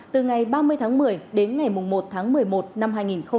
từ ngày ba mươi tháng một mươi đến ngày một tháng một mươi một năm hai nghìn hai mươi